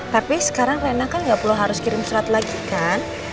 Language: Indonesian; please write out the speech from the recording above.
tapi sekarang rena kan nggak perlu harus kirim surat lagi kan